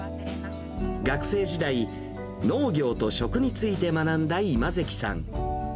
学生時代、農業と食について学んだ今関さん。